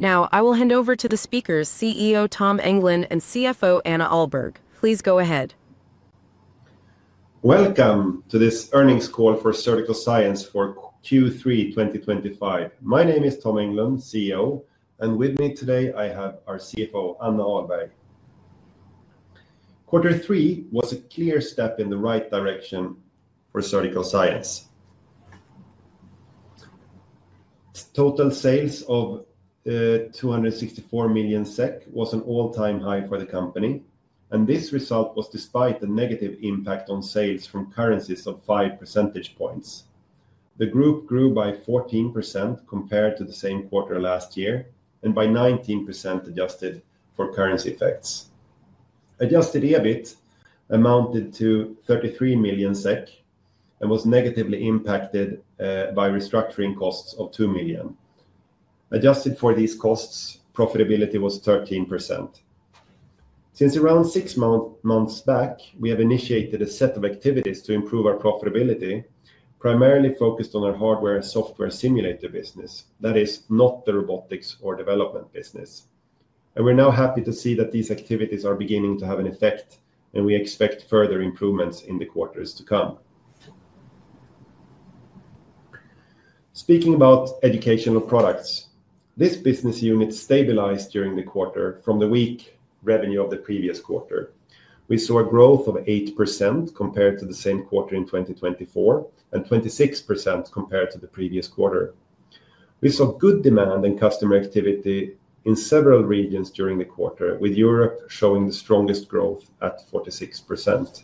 Now, I will hand over to the speakers, CEO Tom Englund and CFO Anna Ahlberg. Please go ahead. Welcome to this earnings call for Surgical Science for Q3 2025. My name is Tom Englund, CEO, and with me today I have our CFO, Anna Ahlberg. Quarter three was a clear step in the right direction for Surgical Science. Total sales of 264 million SEK was an all-time high for the company, and this result was despite the negative impact on sales from currencies of 5 percentage points. The group grew by 14% compared to the same quarter last year and by 19% adjusted for currency effects. Adjusted EBIT amounted to 33 million SEK and was negatively impacted by restructuring costs of 2 million. Adjusted for these costs, profitability was 13%. Since around six months back, we have initiated a set of activities to improve our profitability, primarily focused on our hardware and software simulator business; that is, not the robotics or development business. We are now happy to see that these activities are beginning to have an effect, and we expect further improvements in the quarters to come. Speaking about educational products, this business unit stabilized during the quarter from the weak revenue of the previous quarter. We saw a growth of 8% compared to the same quarter in 2024 and 26% compared to the previous quarter. We saw good demand and customer activity in several regions during the quarter, with Europe showing the strongest growth at 46%.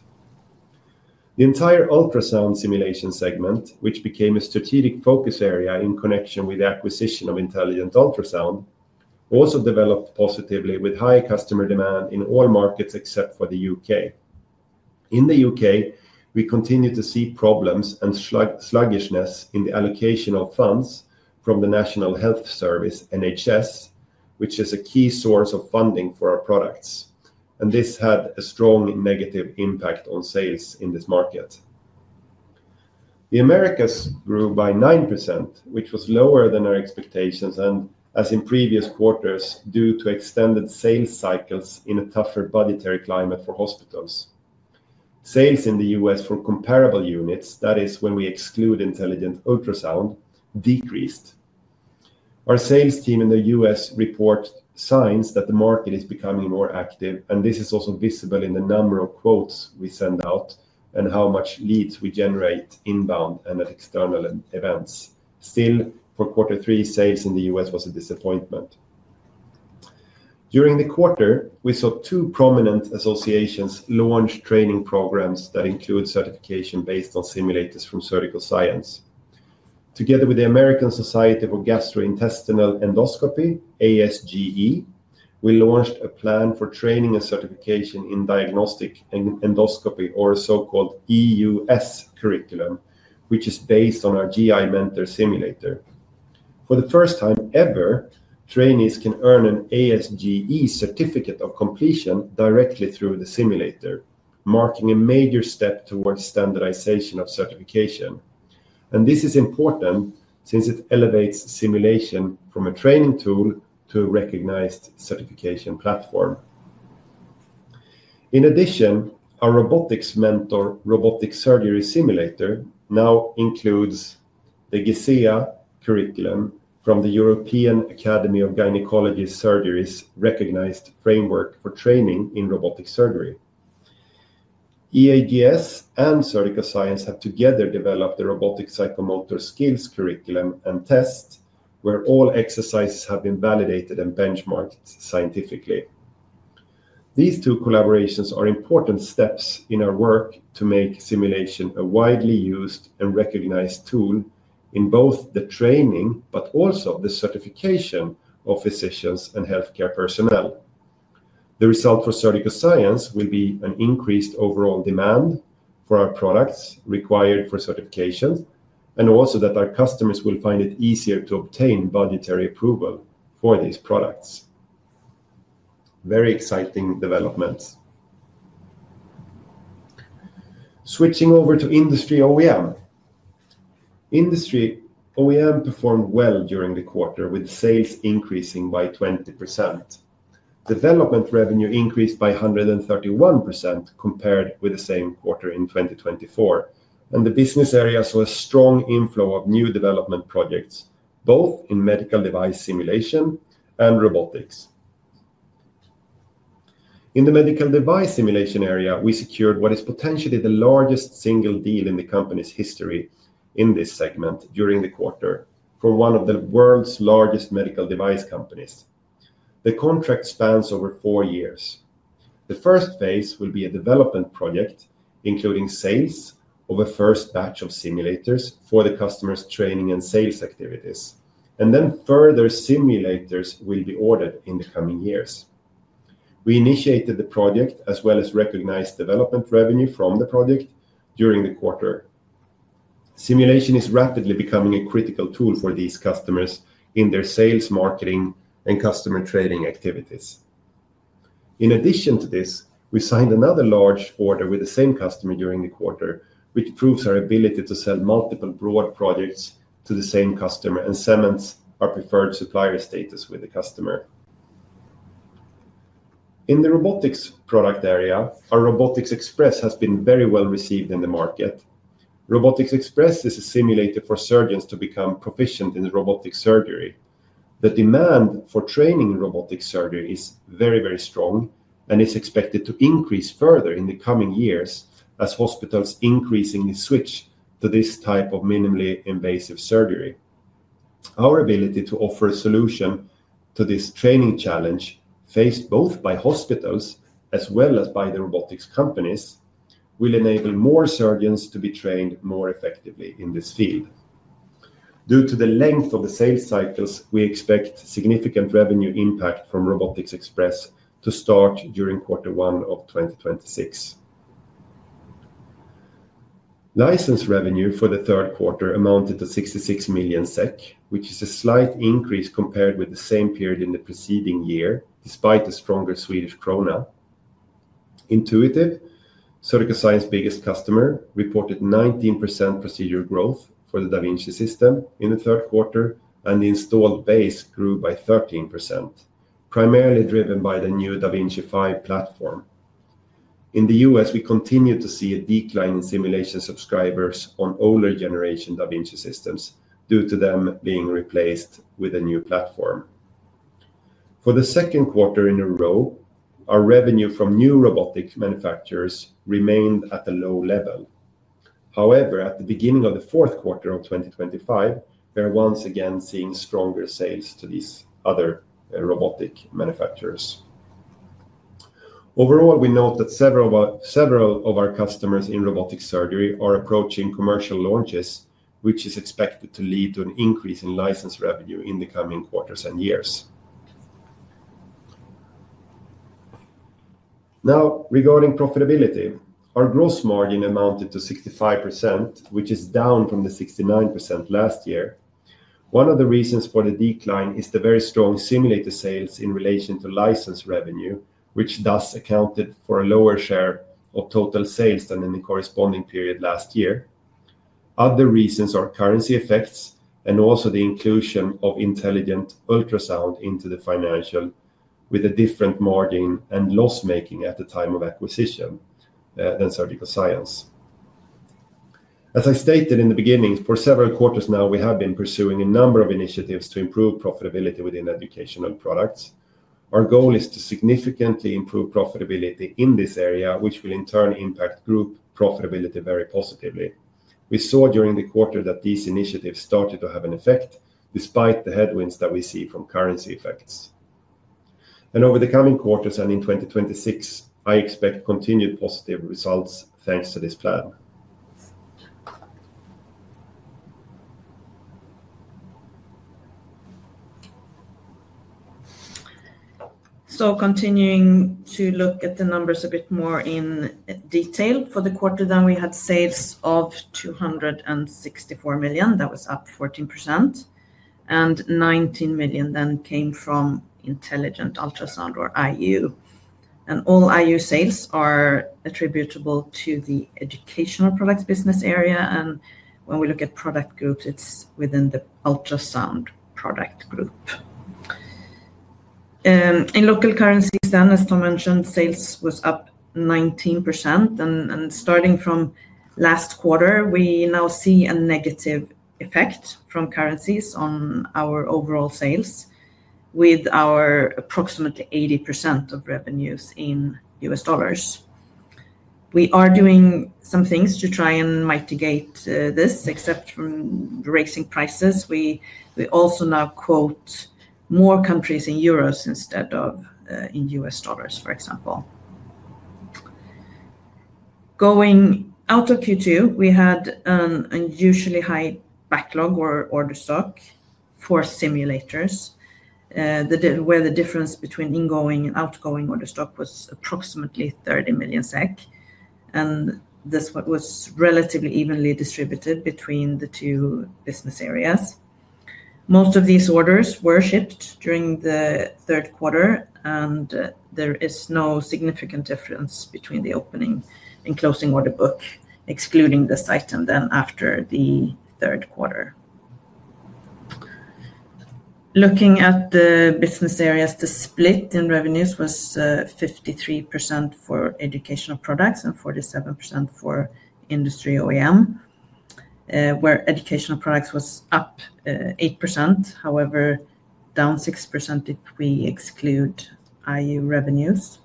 The entire ultrasound simulation segment, which became a strategic focus area in connection with the acquisition of Intelligent Ultrasound, also developed positively with high customer demand in all markets except for the U.K. In the U.K., we continue to see problems and sluggishness in the allocation of funds from the National Health Service (NHS), which is a key source of funding for our products, and this had a strong negative impact on sales in this market. The Americas grew by 9%, which was lower than our expectations and, as in previous quarters, due to extended sales cycles in a tougher budgetary climate for hospitals. Sales in the U.S. for comparable units, that is, when we exclude Intelligent Ultrasound, decreased. Our sales team in the U.S. report signs that the market is becoming more active, and this is also visible in the number of quotes we send out and how many leads we generate inbound and at external events. Still, for quarter 3, sales in the U.S. was a disappointment. During the quarter, we saw two prominent associations launch training programs that include certification based on simulators from Surgical Science. Together with the American Society for Gastrointestinal Endoscopy (ASGE), we launched a plan for training and certification in diagnostic endoscopy, or a so-called EUS curriculum, which is based on our GI Mentor simulator. For the first time ever, trainees can earn an ASGE certificate of completion directly through the simulator, marking a major step towards standardization of certification. This is important since it elevates simulation from a training tool to a recognized certification platform. In addition, our Robotics Mentor robotic surgery simulator now includes the EAGS curriculum from the European Academy of Gynaecology Surgery's recognized framework for training in robotic surgery. EAGS and Surgical Science have together developed the robotic psychomotor skills curriculum and test, where all exercises have been validated and benchmarked scientifically. These two collaborations are important steps in our work to make simulation a widely used and recognized tool in both the training but also the certification of physicians and healthcare personnel. The result for Surgical Science will be an increased overall demand for our products required for certifications and also that our customers will find it easier to obtain budgetary approval for these products. Very exciting developments. Switching over to industry OEM. Industry OEM performed well during the quarter, with sales increasing by 20%. Development revenue increased by 131% compared with the same quarter in 2024, and the business area saw a strong inflow of new development projects, both in medical device simulation and robotics. In the medical device simulation area, we secured what is potentially the largest single deal in the company's history in this segment during the quarter for one of the world's largest medical device companies. The contract spans over four years. The first phase will be a development project including sales of a first batch of simulators for the customer's training and sales activities, and then further simulators will be ordered in the coming years. We initiated the project as well as recognized development revenue from the project during the quarter. Simulation is rapidly becoming a critical tool for these customers in their sales, marketing, and customer training activities. In addition to this, we signed another large order with the same customer during the quarter, which proves our ability to sell multiple broad projects to the same customer and cements our preferred supplier status with the customer. In the robotics product area, our Robotics Express has been very well received in the market. Robotics Express is a simulator for surgeons to become proficient in robotic surgery. The demand for training in robotic surgery is very, very strong and is expected to increase further in the coming years as hospitals increasingly switch to this type of minimally invasive surgery. Our ability to offer a solution to this training challenge faced both by hospitals as well as by the robotics companies will enable more surgeons to be trained more effectively in this field. Due to the length of the sales cycles, we expect significant revenue impact from Robotics Express to start during quarter 1 of 2026. License revenue for the third quarter amounted to 66 million SEK, which is a slight increase compared with the same period in the preceding year, despite a stronger Swedish krona. Intuitive, Surgical Science's biggest customer, reported 19% procedure growth for the da Vinci system in the third quarter, and the installed base grew by 13%, primarily driven by the new da Vinci 5 platform. In the U.S., we continue to see a decline in simulation subscribers on older generation da Vinci systems due to them being replaced with a new platform. For the second quarter in a row, our revenue from new robotic manufacturers remained at a low level. However, at the beginning of the fourth quarter of 2025, we are once again seeing stronger sales to these other robotic manufacturers. Overall, we note that several of our customers in robotic surgery are approaching commercial launches, which is expected to lead to an increase in license revenue in the coming quarters and years. Now, regarding profitability, our gross margin amounted to 65%, which is down from the 69% last year. One of the reasons for the decline is the very strong simulator sales in relation to license revenue, which thus accounted for a lower share of total sales than in the corresponding period last year. Other reasons are currency effects and also the inclusion of Intelligent Ultrasound into the financial, with a different margin and loss-making at the time of acquisition than Surgical Science. As I stated in the beginning, for several quarters now, we have been pursuing a number of initiatives to improve profitability within Educational Products. Our goal is to significantly improve profitability in this area, which will in turn impact group profitability very positively. We saw during the quarter that these initiatives started to have an effect despite the headwinds that we see from currency effects. Over the coming quarters and in 2026, I expect continued positive results thanks to this plan. Continuing to look at the numbers a bit more in detail, for the quarter then, we had sales of 264 million. That was up 14%. 19 million then came from Intelligent Ultrasound or IU. All IU sales are attributable to the Educational Products business area. When we look at product groups, it is within the ultrasound product group. In local currencies then, as Tom mentioned, sales was up 19%. Starting from last quarter, we now see a negative effect from currencies on our overall sales, with approximately 80% of revenues in USD. We are doing some things to try and mitigate this, except from raising prices. We also now quote more countries in EUR instead of in USD, for example. Going out of Q2, we had an unusually high backlog or order stock for simulators, where the difference between ingoing and outgoing order stock was approximately 30 million SEK. This was relatively evenly distributed between the two business areas. Most of these orders were shipped during the third quarter, and there is no significant difference between the opening and closing order book, excluding the second then after the third quarter. Looking at the business areas, the split in revenues was 53% for Educational Products and 47% for Industry OEM, where Educational Products was up 8%. However, down 6% if we exclude IU revenues.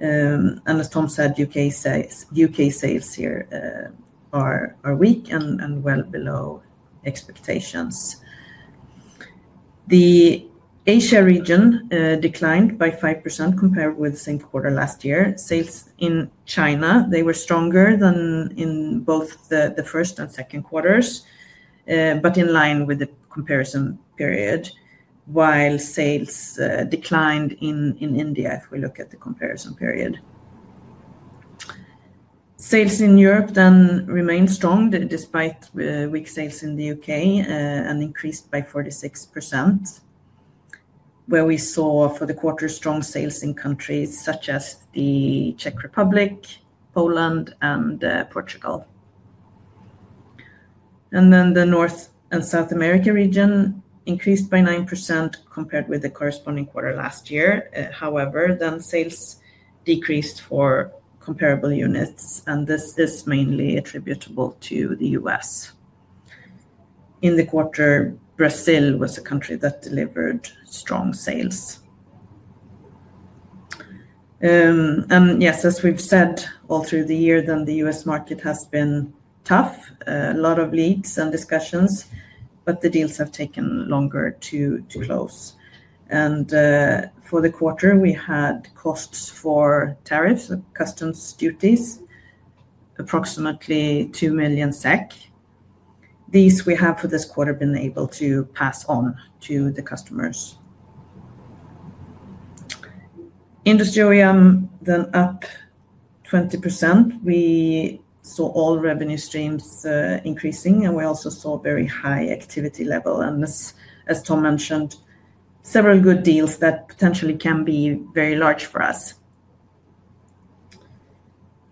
As Tom said, U.K. sales here are weak and well below expectations. The Asia region declined by 5% compared with the same quarter last year. Sales in China, they were stronger than in both the first and second quarters, but in line with the comparison period, while sales declined in India if we look at the comparison period. Sales in Europe then remained strong despite weak sales in the U.K. and increased by 46%, where we saw for the quarter strong sales in countries such as the Czech Republic, Poland, and Portugal. The North and South America region increased by 9% compared with the corresponding quarter last year. However, sales decreased for comparable units, and this is mainly attributable to the U.S. In the quarter, Brazil was a country that delivered strong sales. Yes, as we've said all through the year, the U.S. market has been tough. A lot of leads and discussions, but the deals have taken longer to close. For the quarter, we had costs for tariffs, customs duties, approximately 2 million SEK. These we have for this quarter been able to pass on to the customers. Industry OEM then up 20%. We saw all revenue streams increasing, and we also saw very high activity level. As Tom mentioned, several good deals that potentially can be very large for us.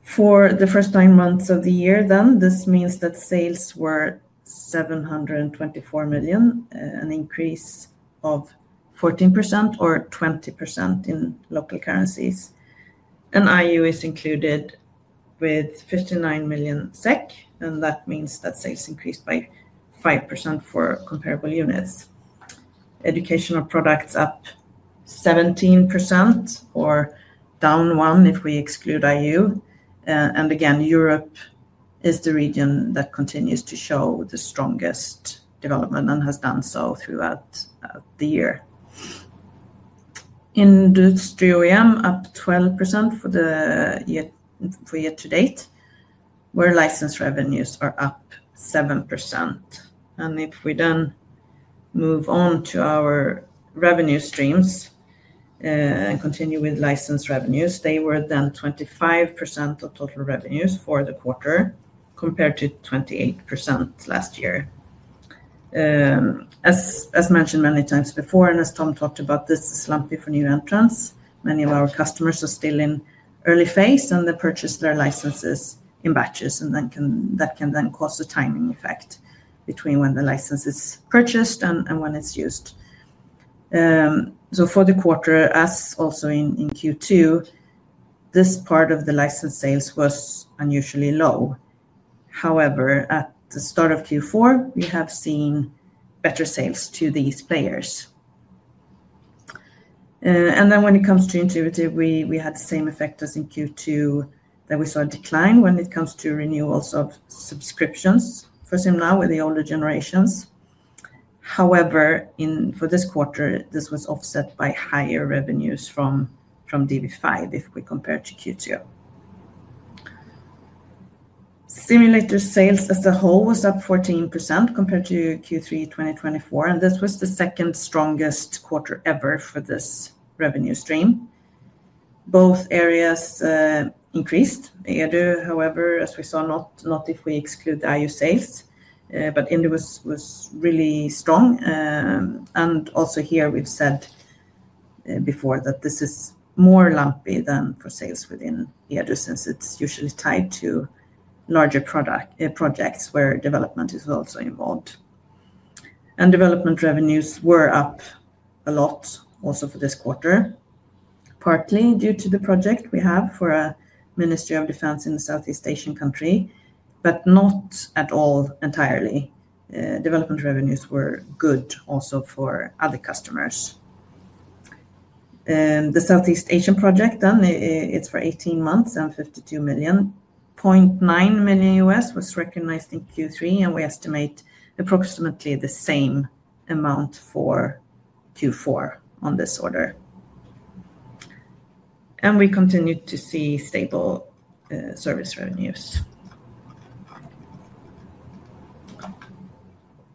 For the first nine months of the year then, this means that sales were 724 million, an increase of 14% or 20% in local currencies. IU is included with 59 million SEK, and that means that sales increased by 5% for comparable units. Educational products up 17% or down one if we exclude IU. Again, Europe is the region that continues to show the strongest development and has done so throughout the year. Industry OEM up 12% for year to date, where license revenues are up 7%. If we then move on to our revenue streams and continue with license revenues, they were then 25% of total revenues for the quarter compared to 28% last year. As mentioned many times before, and as Tom talked about, this is slumpy for new entrants. Many of our customers are still in early phase, and they purchase their licenses in batches, and that can then cause a timing effect between when the license is purchased and when it's used. For the quarter, as also in Q2, this part of the license sales was unusually low. However, at the start of Q4, we have seen better sales to these players. When it comes to Intuitive, we had the same effect as in Q2 that we saw a decline when it comes to renewals of subscriptions for SimLab with the older generations. However, for this quarter, this was offset by higher revenues from DV5 if we compare to Q2. Simulator sales as a whole was up 14% compared to Q3 2024, and this was the second strongest quarter ever for this revenue stream. Both areas increased. EADU, however, as we saw, not if we exclude IU sales, but EADU was really strong. Also here, we've said before that this is more lumpy than for sales within EADU since it's usually tied to larger projects where development is also involved. Development revenues were up a lot also for this quarter, partly due to the project we have for a Ministry of Defense in a Southeast Asian country, but not at all entirely. Development revenues were good also for other customers. The Southeast Asian project then, it is for 18 months and 52 million. $0.9 million was recognized in Q3, and we estimate approximately the same amount for Q4 on this order. We continued to see stable service revenues.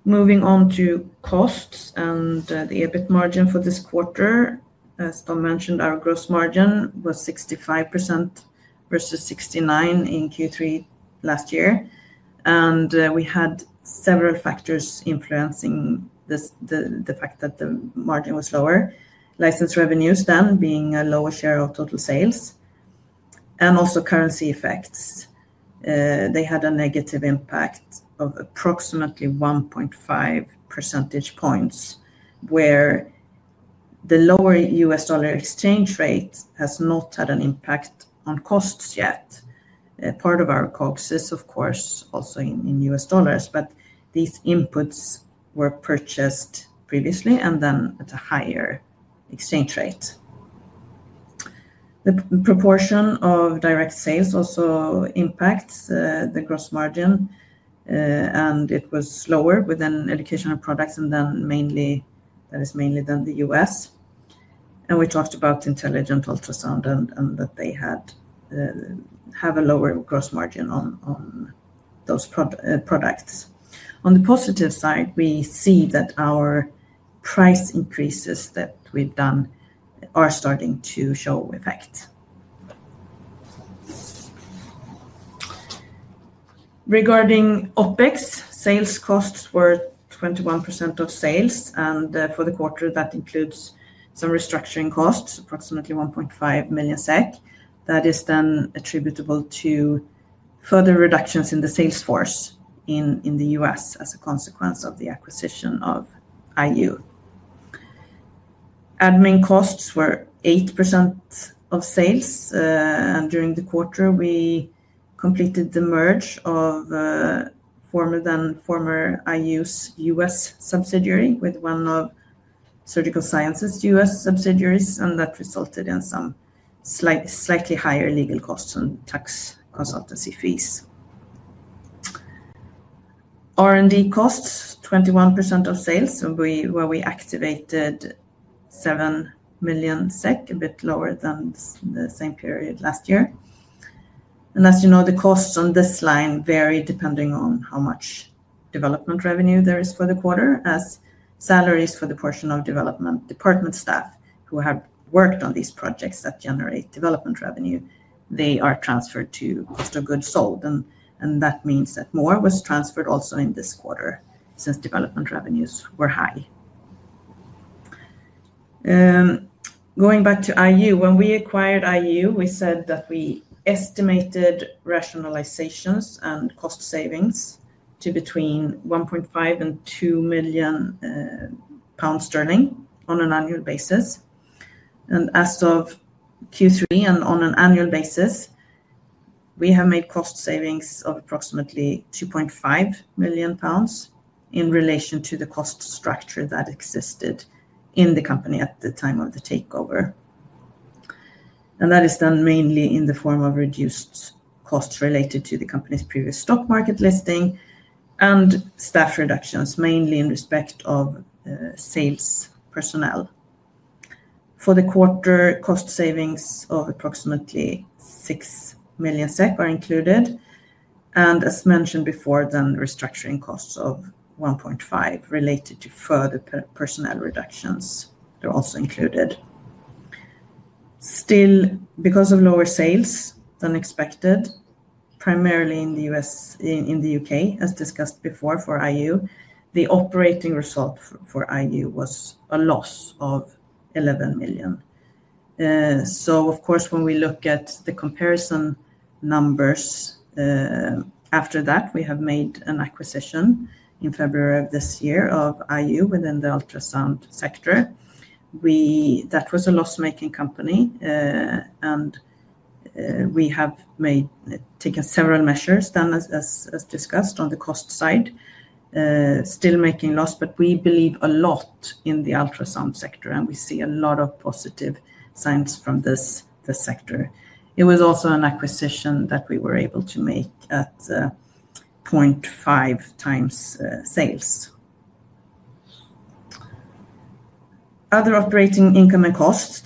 Moving on to costs and the EBIT margin for this quarter, as Tom mentioned, our gross margin was 65% versus 69% in Q3 last year. We had several factors influencing the fact that the margin was lower. License revenues then being a lower share of total sales and also currency effects. They had a negative impact of approximately 1.5 percentage points, where the lower U.S. dollar exchange rate has not had an impact on costs yet. Part of our cost is, of course, also in U.S. dollars, but these inputs were purchased previously and then at a higher exchange rate. The proportion of direct sales also impacts the gross margin, and it was lower within Educational Products and then mainly that is mainly then the U.S. We talked about Intelligent Ultrasound and that they have a lower gross margin on those products. On the positive side, we see that our price increases that we've done are starting to show effect. Regarding OPEX, sales costs were 21% of sales, and for the quarter, that includes some restructuring costs, approximately 1.5 million SEK. That is then attributable to further reductions in the sales force in the U.S. as a consequence of the acquisition of IU. Admin costs were 8% of sales, and during the quarter, we completed the merge of former IU's U.S. subsidiary with one of Surgical Science's U.S. subsidiaries, and that resulted in some slightly higher legal costs and tax consultancy fees. R&D costs, 21% of sales, where we activated 7 million SEK, a bit lower than the same period last year. As you know, the costs on this line vary depending on how much development revenue there is for the quarter, as salaries for the portion of development department staff who have worked on these projects that generate development revenue, they are transferred to cost of goods sold. That means that more was transferred also in this quarter since development revenues were high. Going back to IU, when we acquired IU, we said that we estimated rationalizations and cost savings to between 1.5 million and 2 million pounds turning on an annual basis. As of Q3 and on an annual basis, we have made cost savings of approximately 2.5 million pounds in relation to the cost structure that existed in the company at the time of the takeover. That is done mainly in the form of reduced costs related to the company's previous stock market listing and staff reductions, mainly in respect of sales personnel. For the quarter, cost savings of approximately 6 million SEK are included. As mentioned before, restructuring costs of 1.5 million related to further personnel reductions are also included. Still, because of lower sales than expected, primarily in the U.K., as discussed before for IU, the operating result for IU was a loss of 11 million. Of course, when we look at the comparison numbers after that, we have made an acquisition in February of this year of IU within the ultrasound sector. That was a loss-making company, and we have taken several measures then, as discussed on the cost side, still making loss, but we believe a lot in the ultrasound sector, and we see a lot of positive signs from this sector. It was also an acquisition that we were able to make at 0.5 times sales. Other operating income and costs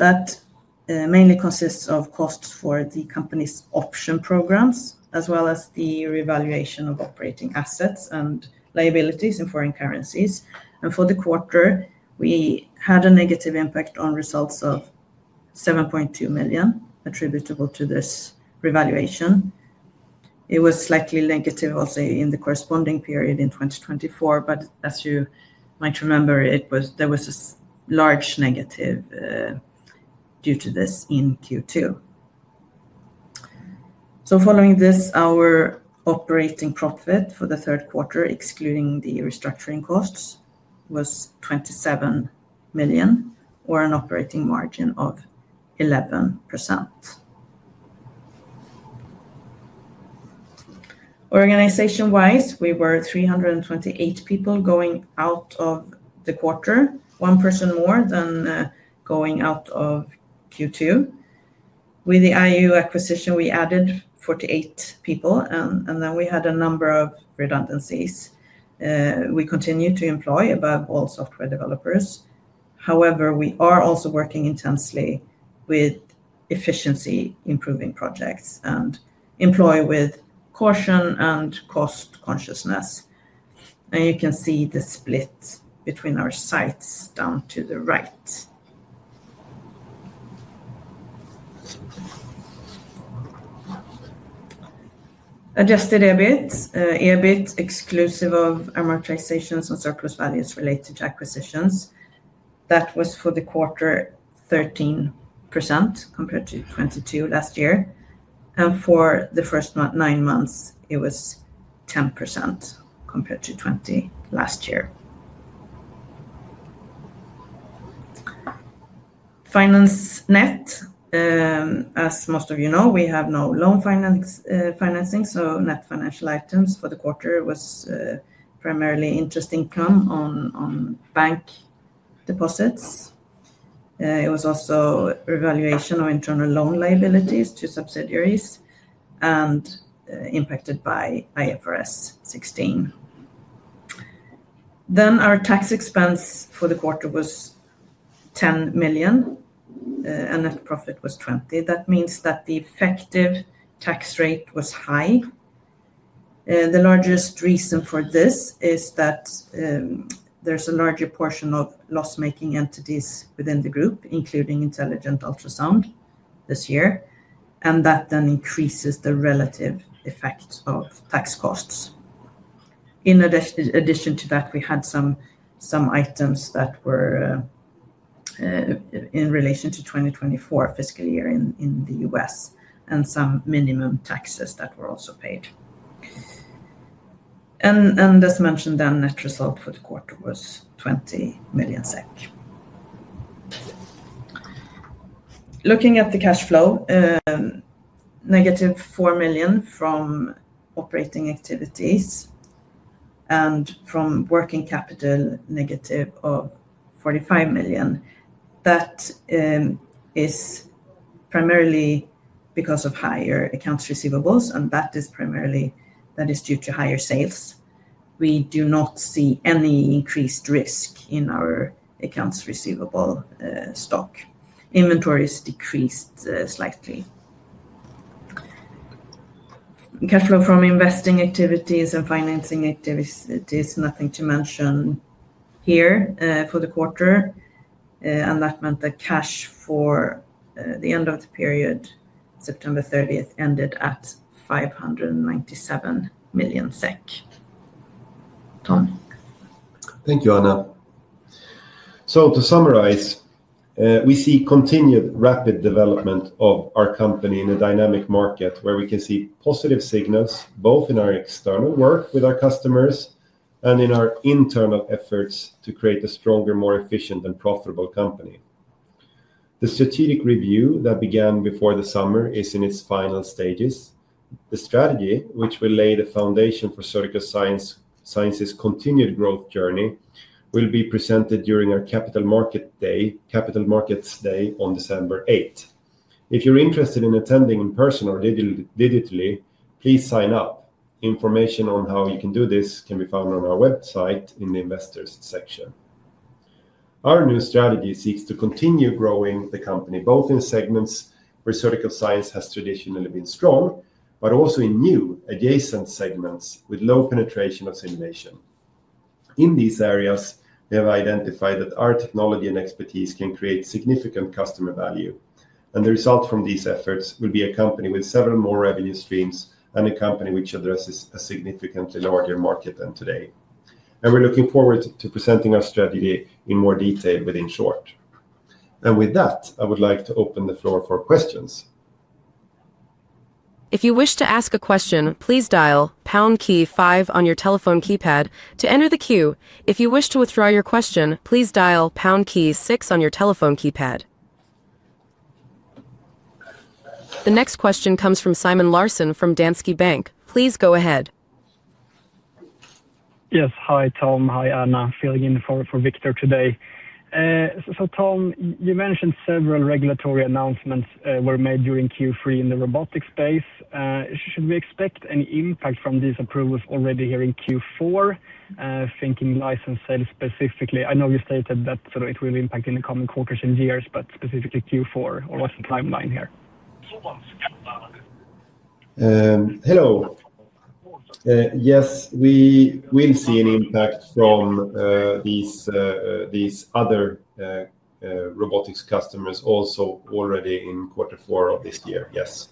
mainly consist of costs for the company's option programs, as well as the revaluation of operating assets and liabilities in foreign currencies. For the quarter, we had a negative impact on results of 7.2 million attributable to this revaluation. It was slightly negative also in the corresponding period in 2024, but as you might remember, there was a large negative due to this in Q2. Following this, our operating profit for the third quarter, excluding the restructuring costs, was 27 million, or an operating margin of 11%. Organization-wise, we were 328 people going out of the quarter, one person more than going out of Q2. With the IU acquisition, we added 48 people, and then we had a number of redundancies. We continue to employ above all software developers. However, we are also working intensely with efficiency-improving projects and employ with caution and cost consciousness. You can see the split between our sites down to the right. Adjusted EBIT, EBIT exclusive of amortizations and surplus values related to acquisitions, was for the quarter 13% compared to 22% last year. For the first nine months, it was 10% compared to 20% last year. Finance net, as most of you know, we have no loan financing, so net financial items for the quarter was primarily interest income on bank deposits. It was also revaluation of internal loan liabilities to subsidiaries and impacted by IFRS 16. Our tax expense for the quarter was 10 million, and net profit was 20 million. That means that the effective tax rate was high. The largest reason for this is that there is a larger portion of loss-making entities within the group, including Intelligent Ultrasound this year, and that increases the relative effect of tax costs. In addition to that, we had some items that were in relation to the 2024 fiscal year in the U.S. and some minimum taxes that were also paid. As mentioned then, net result for the quarter was 20 million SEK. Looking at the cash flow, negative 4 million from operating activities and from working capital negative 45 million. That is primarily because of higher accounts receivables, and that is primarily due to higher sales. We do not see any increased risk in our accounts receivable stock. Inventory has decreased slightly. Cash flow from investing activities and financing activities, nothing to mention here for the quarter. That meant that cash for the end of the period, September 30th, ended at 597 million SEK. Tom. Thank you, Anna. To summarize, we see continued rapid development of our company in a dynamic market where we can see positive signals both in our external work with our customers and in our internal efforts to create a stronger, more efficient, and profitable company. The strategic review that began before the summer is in its final stages. The strategy, which will lay the foundation for Surgical Science's continued growth journey, will be presented during our Capital Markets Day on December 8th. If you're interested in attending in person or digitally, please sign up. Information on how you can do this can be found on our website in the investors section. Our new strategy seeks to continue growing the company both in segments where Surgical Science has traditionally been strong, but also in new adjacent segments with low penetration of simulation. In these areas, we have identified that our technology and expertise can create significant customer value. The result from these efforts will be a company with several more revenue streams and a company which addresses a significantly larger market than today. We are looking forward to presenting our strategy in more detail within short. With that, I would like to open the floor for questions. If you wish to ask a question, please dial pound key five on your telephone keypad to enter the queue. If you wish to withdraw your question, please dial pound key six on your telephone keypad. The next question comes from Simon Larson from Danske Bank. Please go ahead. Yes. Hi, Tom. Hi, Anna. Filling in for Victor today. Tom, you mentioned several regulatory announcements were made during Q3 in the robotics space. Should we expect any impact from these approvals already here in Q4, thinking license sales specifically? I know you stated that it will impact in the coming quarters and years, but specifically Q4 or what is the timeline here? Hello. Yes, we will see an impact from these other robotics customers also already in quarter four of this year. Yes.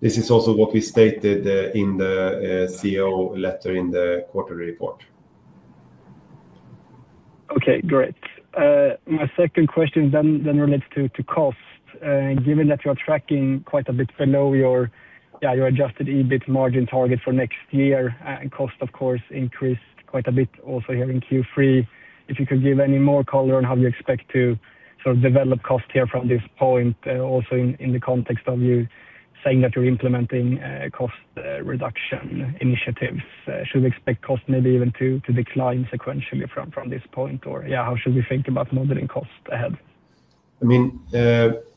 This is also what we stated in the CEO letter in the quarter report. Okay, great. My second question then relates to cost. Given that you're tracking quite a bit below your adjusted EBIT margin target for next year, cost, of course, increased quite a bit also here in Q3. If you could give any more color on how you expect to sort of develop cost here from this point, also in the context of you saying that you're implementing cost reduction initiatives, should we expect cost maybe even to decline sequentially from this point? Or how should we think about modeling cost ahead? I mean,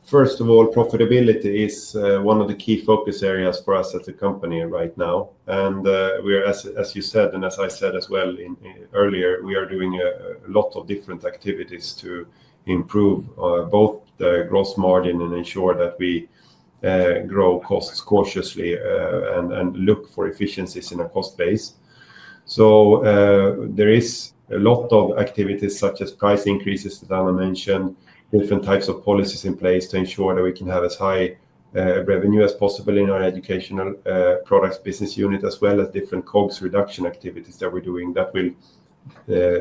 first of all, profitability is one of the key focus areas for us as a company right now. As you said, and as I said as well earlier, we are doing a lot of different activities to improve both the gross margin and ensure that we grow costs cautiously and look for efficiencies in a cost base. There is a lot of activities such as price increases that Anna mentioned, different types of policies in place to ensure that we can have as high revenue as possible in our Educational Products business unit, as well as different COGS reduction activities that we are doing that will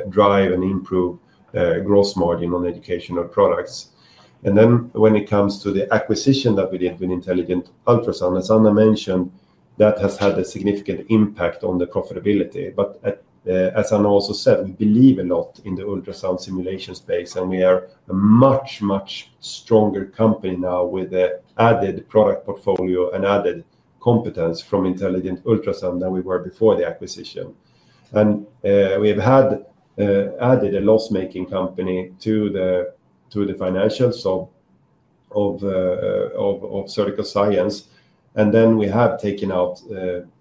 drive and improve gross margin on Educational Products. When it comes to the acquisition that we did with Intelligent Ultrasound, as Anna mentioned, that has had a significant impact on the profitability. As Anna also said, we believe a lot in the ultrasound simulation space, and we are a much, much stronger company now with an added product portfolio and added competence from Intelligent Ultrasound than we were before the acquisition. We have added a loss-making company to the financials of Surgical Science. We have taken out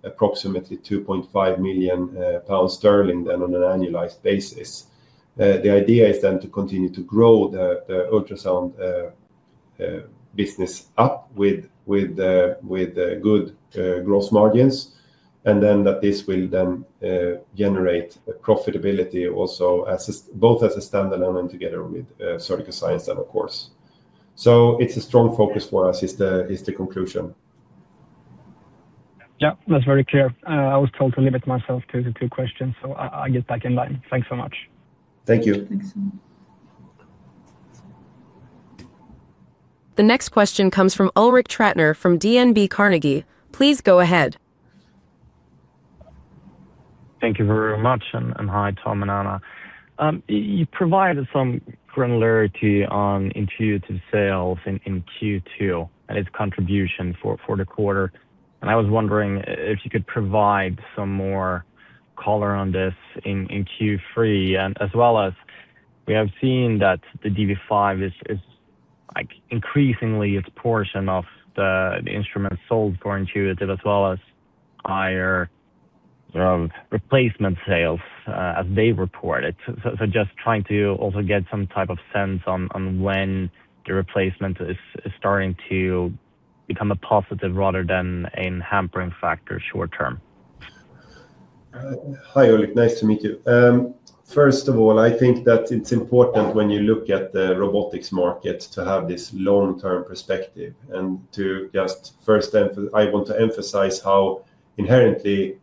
approximately 2.5 million pounds on an annualized basis. The idea is to continue to grow the ultrasound business up with good gross margins, and that this will generate profitability also both as a standalone and together with Surgical Science, of course. A strong focus for us is the conclusion. Yeah, that's very clear. I was told to limit myself to the two questions, so I'll get back in line. Thanks so much. Thank you. Thanks. The next question comes from Ulrik Trattner from DNB Carnegie. Please go ahead. Thank you very much. Hi, Tom and Anna. You provided some granularity on Intuitive sales in Q2 and its contribution for the quarter. I was wondering if you could provide some more color on this in Q3, as well as we have seen that the DV5 is increasingly its portion of the instruments sold for Intuitive, as well as higher replacement sales as they report it. Just trying to also get some type of sense on when the replacement is starting to become a positive rather than a hampering factor short term. Hi, Ulrich. Nice to meet you. First of all, I think that it's important when you look at the robotics market to have this long-term perspective. First, I want to emphasize how inherently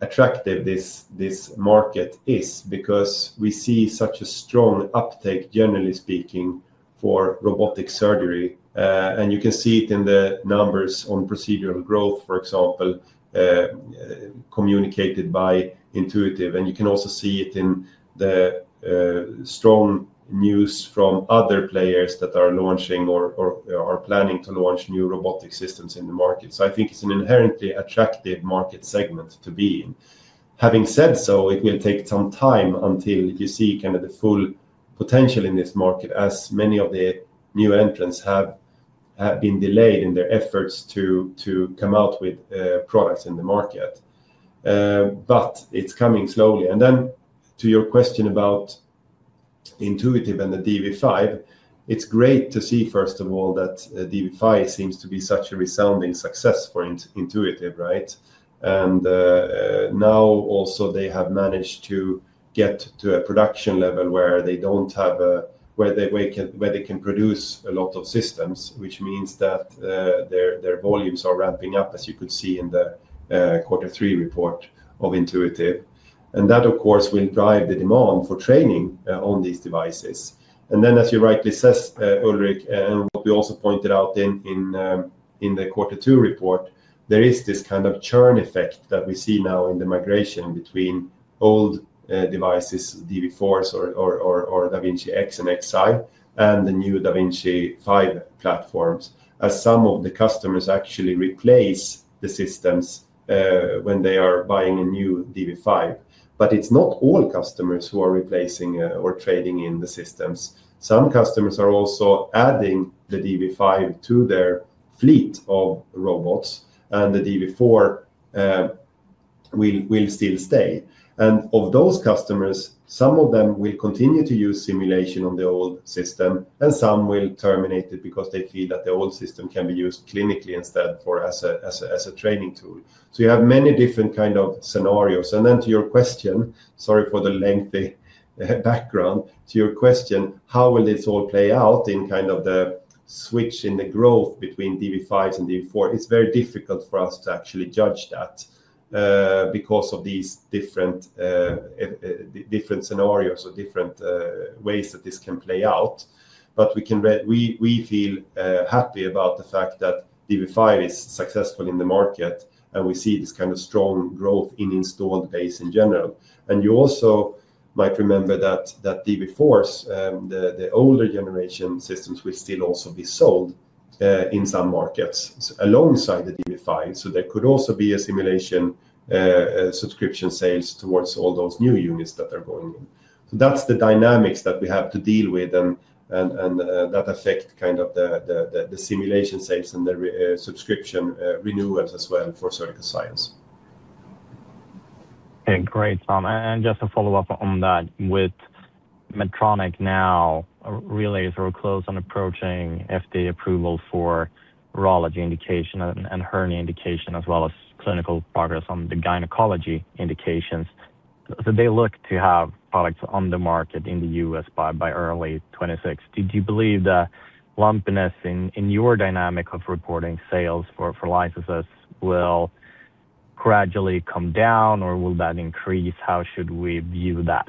attractive this market is because we see such a strong uptake, generally speaking, for robotic surgery. You can see it in the numbers on procedural growth, for example, communicated by Intuitive. You can also see it in the strong news from other players that are launching or are planning to launch new robotic systems in the market. I think it is an inherently attractive market segment to be in. Having said so, it will take some time until you see kind of the full potential in this market, as many of the new entrants have been delayed in their efforts to come out with products in the market. It is coming slowly. To your question about Intuitive and the da Vinci 5, it's great to see, first of all, that da Vinci 5 seems to be such a resounding success for Intuitive, right? Now also they have managed to get to a production level where they can produce a lot of systems, which means that their volumes are ramping up, as you could see in the quarter three report of Intuitive. That, of course, will drive the demand for training on these devices. As you rightly say, Ulrich, and what we also pointed out in the quarter two report, there is this kind of churn effect that we see now in the migration between old devices, da Vinci 4s or da Vinci X and Xi, and the new da Vinci 5 platforms, as some of the customers actually replace the systems when they are buying a new da Vinci 5. It is not all customers who are replacing or trading in the systems. Some customers are also adding the DV5 to their fleet of robots, and the DV4 will still stay. Of those customers, some of them will continue to use simulation on the old system, and some will terminate it because they feel that the old system can be used clinically instead for as a training tool. You have many different kinds of scenarios. To your question, sorry for the lengthy background, to your question, how will this all play out in kind of the switch in the growth between DV5s and DV4? It is very difficult for us to actually judge that because of these different scenarios or different ways that this can play out. We feel happy about the fact that DV5 is successful in the market, and we see this kind of strong growth in installed base in general. You also might remember that DV4s, the older generation systems, will still also be sold in some markets alongside the DV5. There could also be a simulation subscription sales towards all those new units that are going in. That is the dynamics that we have to deal with, and that affects kind of the simulation sales and the subscription renewals as well for Surgical Science. Okay, great, Tom. Just to follow up on that, with Medtronic now really is very close on approaching FDA approval for urology indication and hernia indication, as well as clinical progress on the gynecology indications. They look to have products on the market in the U.S. by early 2026. Do you believe the lumpiness in your dynamic of reporting sales for licenses will gradually come down, or will that increase? How should we view that?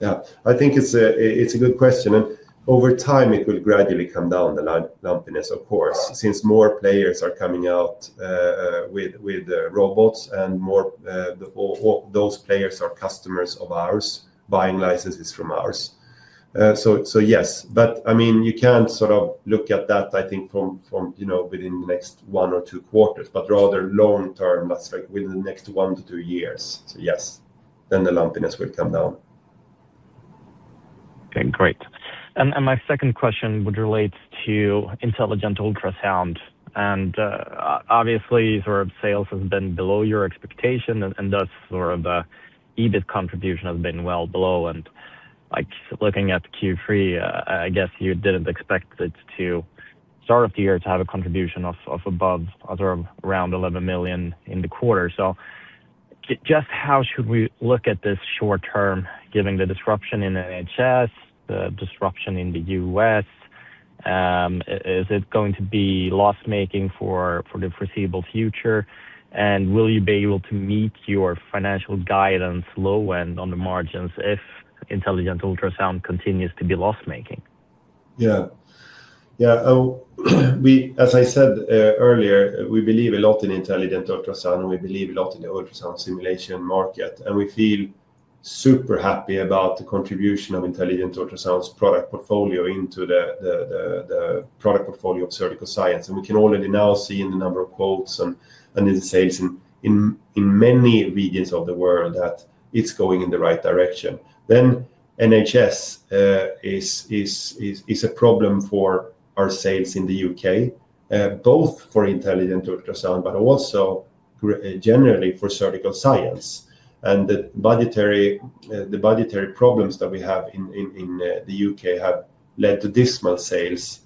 Yeah, I think it's a good question. Over time, it will gradually come down, the lumpiness, of course, since more players are coming out with robots and more of those players are customers of ours, buying licenses from us. Yes. I mean, you can't sort of look at that, I think, from within the next one or two quarters, but rather long term, within the next one to two years. Yes, then the lumpiness will come down. Okay, great. My second question would relate to Intelligent Ultrasound. Obviously, sort of sales have been below your expectation, and thus the EBIT contribution has been well below. Looking at Q3, I guess you did not expect at the start of the year to have a contribution of above around $11 million in the quarter. Just how should we look at this short term, given the disruption in the NHS, the disruption in the U.S.? Is it going to be loss-making for the foreseeable future? Will you be able to meet your financial guidance low end on the margins if Intelligent Ultrasound continues to be loss-making? Yeah. As I said earlier, we believe a lot in Intelligent Ultrasound, and we believe a lot in the ultrasound simulation market. We feel super happy about the contribution of Intelligent Ultrasound's product portfolio into the product portfolio of Surgical Science. We can already now see in the number of quotes and in the sales in many regions of the world that it is going in the right direction. The NHS is a problem for our sales in the U.K., both for Intelligent Ultrasound, but also generally for Surgical Science. The budgetary problems that we have in the U.K. have led to dismal sales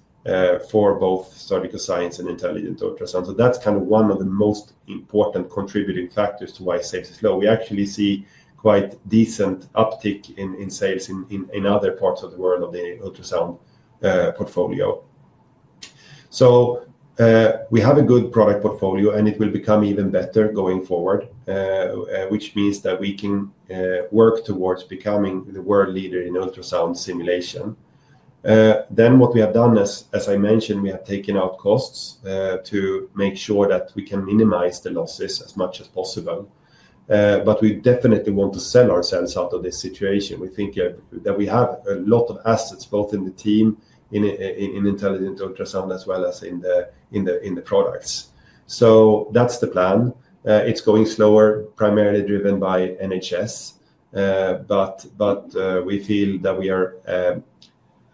for both Surgical Science and Intelligent Ultrasound. That is kind of one of the most important contributing factors to why sales is low. We actually see quite decent uptick in sales in other parts of the world of the ultrasound portfolio. We have a good product portfolio, and it will become even better going forward, which means that we can work towards becoming the world leader in ultrasound simulation. What we have done, as I mentioned, is we have taken out costs to make sure that we can minimize the losses as much as possible. We definitely want to sell ourselves out of this situation. We think that we have a lot of assets, both in the team, in Intelligent Ultrasound, as well as in the products. That is the plan. It is going slower, primarily driven by NHS. We feel that we are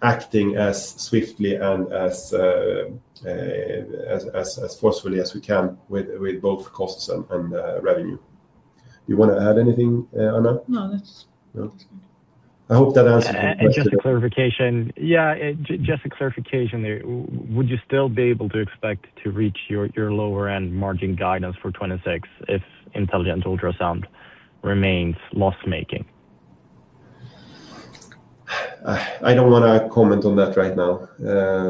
acting as swiftly and as forcefully as we can with both costs and revenue. You want to add anything, Anna? No, that is good. I hope that answers your question. Just a clarification. Yeah, just a clarification there. Would you still be able to expect to reach your lower-end margin guidance for 2026 if Intelligent Ultrasound remains loss-making? I do not want to comment on that right now.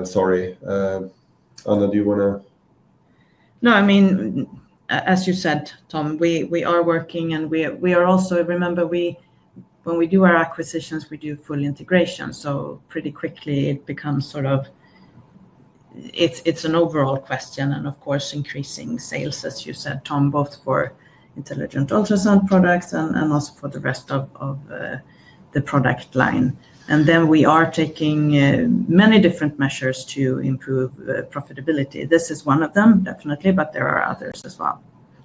Sorry. Anna, do you want to? No, I mean, as you said, Tom, we are working, and we are also, remember, when we do our acquisitions, we do full integration. Pretty quickly, it becomes sort of it's an overall question and, of course, increasing sales, as you said, Tom, both for Intelligent Ultrasound products and also for the rest of the product line. We are taking many different measures to improve profitability. This is one of them, definitely, but there are others as well.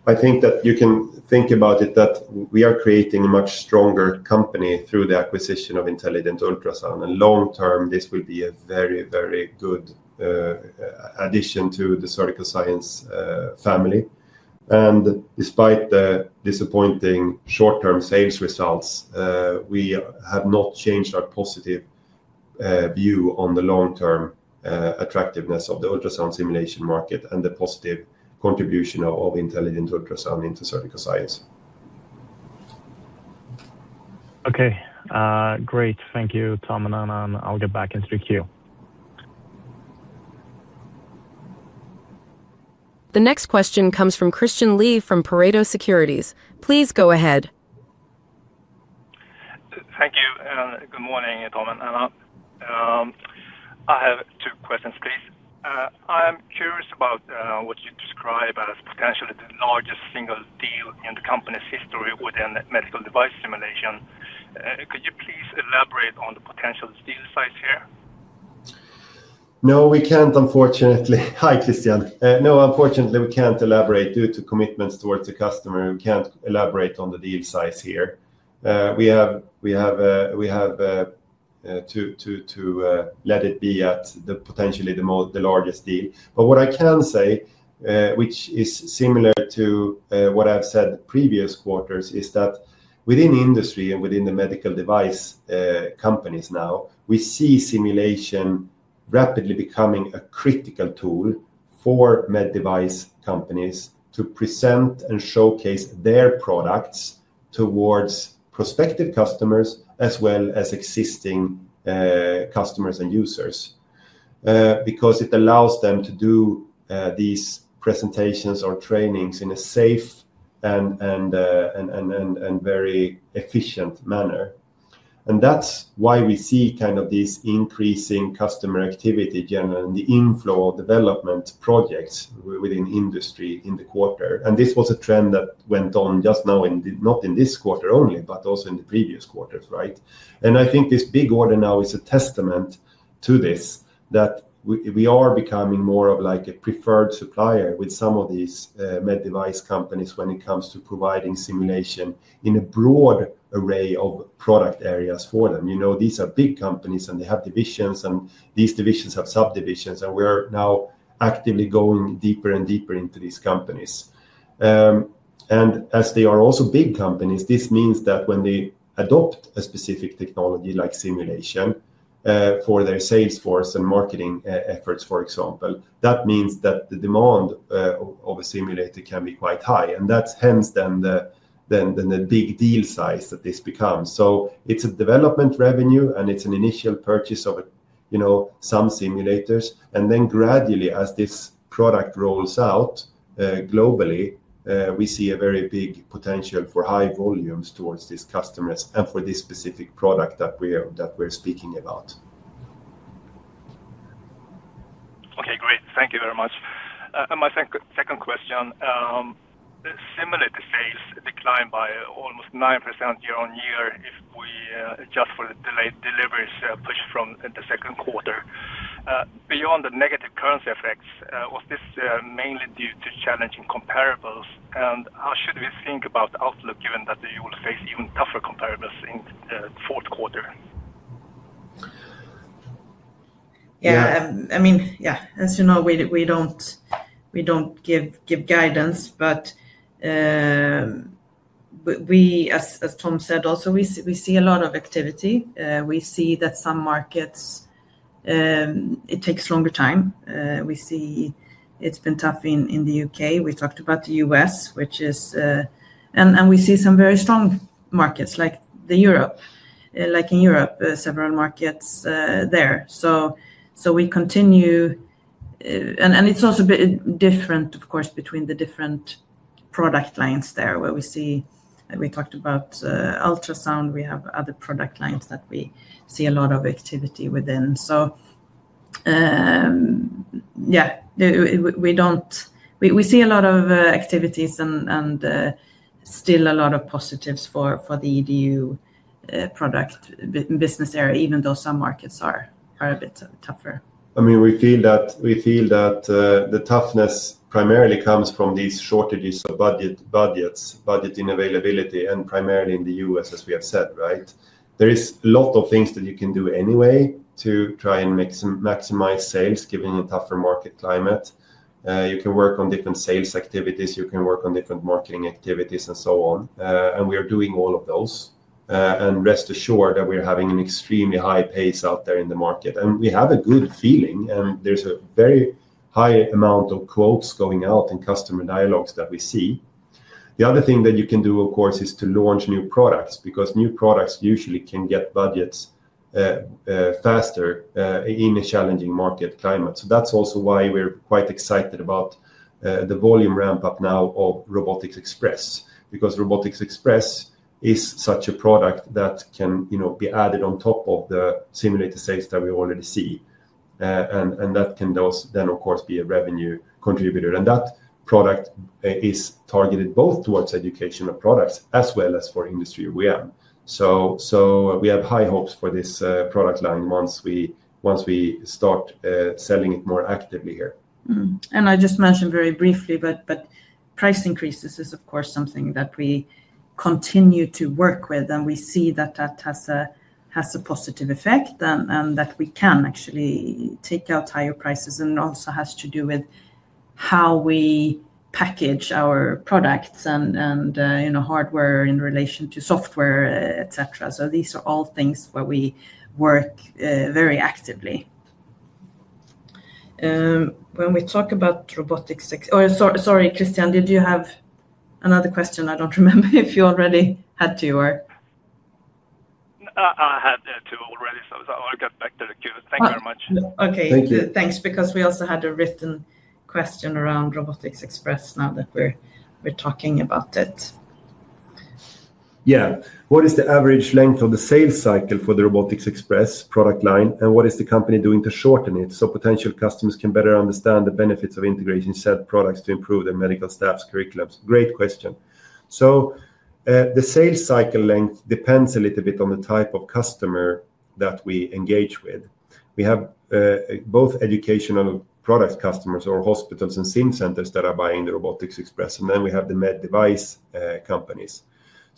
I think that you can think about it that we are creating a much stronger company through the acquisition of Intelligent Ultrasound. Long term, this will be a very, very good addition to the Surgical Science family. Despite the disappointing short-term sales results, we have not changed our positive view on the long-term attractiveness of the ultrasound simulation market and the positive contribution of Intelligent Ultrasound into Surgical Science. Okay. Great. Thank you, Tom and Anna. I'll get back into the queue. The next question comes from Christian Lee from Pareto Securities. Please go ahead. Thank you. Good morning, Tom and Anna. I have two questions, please. I'm curious about what you describe as potentially the largest single deal in the company's history within medical device simulation. Could you please elaborate on the potential deal size here? No, we can't, unfortunately. Hi, Christian. No, unfortunately, we can't elaborate due to commitments towards the customer. We can't elaborate on the deal size here. We have to let it be at potentially the largest deal. What I can say, which is similar to what I've said previous quarters, is that within industry and within the medical device companies now, we see simulation rapidly becoming a critical tool for med device companies to present and showcase their products towards prospective customers as well as existing customers and users because it allows them to do these presentations or trainings in a safe and very efficient manner. That is why we see kind of this increasing customer activity generally in the inflow of development projects within industry in the quarter. This was a trend that went on just now, not in this quarter only, but also in the previous quarters, right? I think this big order now is a testament to this, that we are becoming more of like a preferred supplier with some of these med device companies when it comes to providing simulation in a broad array of product areas for them. These are big companies, and they have divisions, and these divisions have subdivisions. We are now actively going deeper and deeper into these companies. As they are also big companies, this means that when they adopt a specific technology like simulation for their salesforce and marketing efforts, for example, that means that the demand of a simulator can be quite high. That is hence then the big deal size that this becomes. It is a development revenue, and it is an initial purchase of some simulators. Then gradually, as this product rolls out globally, we see a very big potential for high volumes towards these customers and for this specific product that we're speaking about. Okay, great. Thank you very much. My second question, similar to sales, declined by almost 9% year-on-year if we adjust for the deliveries pushed from the second quarter. Beyond the negative currency effects, was this mainly due to challenging comparables? How should we think about the outlook, given that you will face even tougher comparables in the fourth quarter? Yeah. I mean, yeah, as you know, we do not give guidance. We, as Tom said, also see a lot of activity. We see that some markets, it takes longer time. We see it has been tough in the U.K. We talked about the U.S., which is, and we see some very strong markets like in Europe, several markets there. We continue, and it is also different, of course, between the different product lines there where we see, we talked about ultrasound. We have other product lines that we see a lot of activity within. Yeah, we see a lot of activities and still a lot of positives for the EDU product business area, even though some markets are a bit tougher. I mean, we feel that the toughness primarily comes from these shortages of budgets, budget in availability, and primarily in the U.S., as we have said, right? There is a lot of things that you can do anyway to try and maximize sales, given a tougher market climate. You can work on different sales activities. You can work on different marketing activities and so on. We are doing all of those. Rest assured that we're having an extremely high pace out there in the market. We have a good feeling, and there's a very high amount of quotes going out and customer dialogues that we see. The other thing that you can do, of course, is to launch new products because new products usually can get budgets faster in a challenging market climate. That is also why we're quite excited about the volume ramp-up now of Robotics Express because Robotics Express is such a product that can be added on top of the simulator sales that we already see. That can then, of course, be a revenue contributor. That product is targeted both towards educational products as well as for industry OEM. We have high hopes for this product line once we start selling it more actively here. I just mentioned very briefly, but price increases is, of course, something that we continue to work with, and we see that that has a positive effect and that we can actually take out higher prices. It also has to do with how we package our products and hardware in relation to software, etc. These are all things where we work very actively. When we talk about Robotics Express, sorry, Christian, did you have another question? I do not remember if you already had two or. I had two already. I will get back to the queue. Thank you very much. Okay. Thank you. Thanks because we also had a written question around Robotics Express now that we are talking about it. Yeah. What is the average length of the sales cycle for the Robotics Express product line? What is the company doing to shorten it so potential customers can better understand the benefits of integrating said products to improve their medical staff's curriculums? Great question. The sales cycle length depends a little bit on the type of customer that we engage with. We have both educational product customers or hospitals and SIM centers that are buying the Robotics Express. Then we have the med device companies.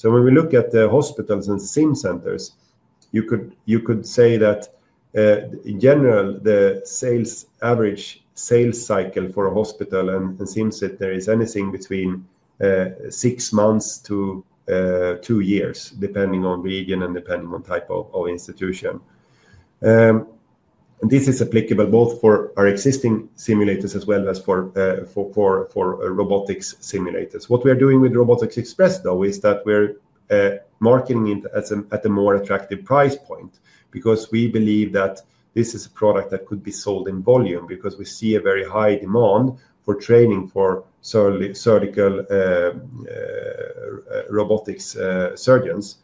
When we look at the hospitals and SIM centers, you could say that in general, the average sales cycle for a hospital and SIM center is anything between six months to two years, depending on region and depending on type of institution. This is applicable both for our existing simulators as well as for robotics simulators. What we are doing with Robotics Express, though, is that we're marketing it at a more attractive price point because we believe that this is a product that could be sold in volume because we see a very high demand for training for surgical robotics surgeons.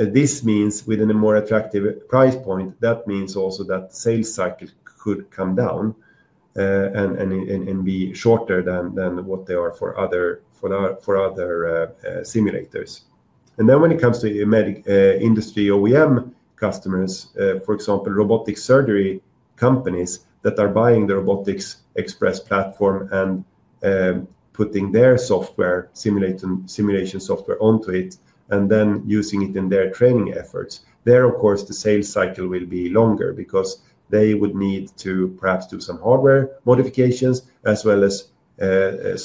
This means within a more attractive price point, that means also that sales cycle could come down and be shorter than what they are for other simulators. When it comes to industry OEM customers, for example, robotic surgery companies that are buying the Robotics Express platform and putting their simulation software onto it, and then using it in their training efforts, there, of course, the sales cycle will be longer because they would need to perhaps do some hardware modifications as well as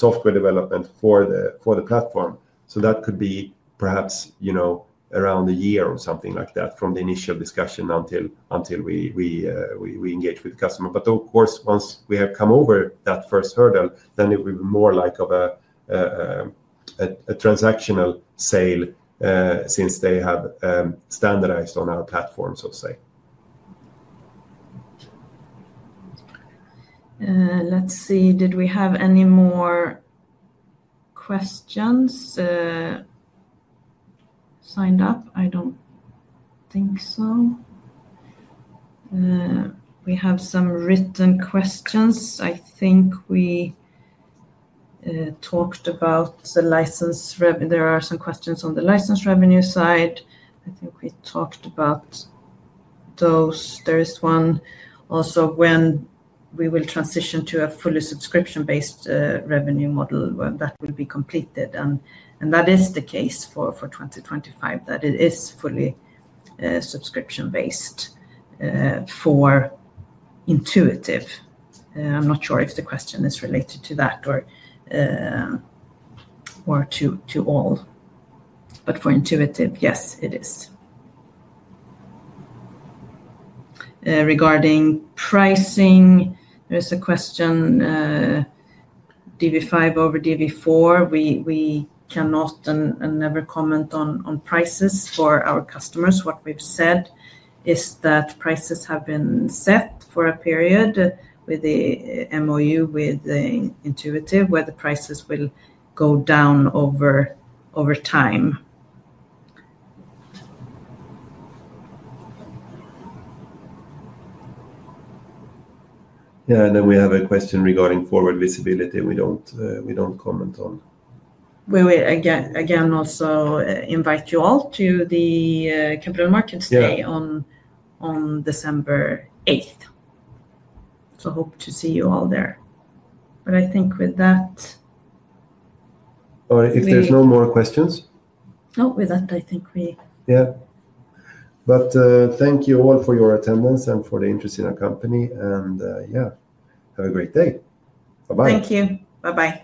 software development for the platform. That could be perhaps around a year or something like that from the initial discussion until we engage with the customer. Of course, once we have come over that first hurdle, then it will be more like a transactional sale since they have standardized on our platform, so to say. Let's see. Did we have any more questions signed up? I don't think so. We have some written questions. I think we talked about the license. There are some questions on the license revenue side. I think we talked about those. There is one also when we will transition to a fully subscription-based revenue model, when that will be completed. That is the case for 2025, that it is fully subscription-based for Intuitive. I'm not sure if the question is related to that or to all. For Intuitive, yes, it is. Regarding pricing, there is a question, DV5 over DV4. We cannot and never comment on prices for our customers. What we've said is that prices have been set for a period with the MOU with Intuitive where the prices will go down over time. Yeah. Then we have a question regarding forward visibility. We do not comment on. We will again also invite you all to the Capital Markets Day on December 8th. Hope to see you all there. I think with that. If there are no more questions. With that, I think we. Yeah. Thank you all for your attendance and for the interest in our company. Yeah, have a great day. Bye-bye. Thank you. Bye-bye.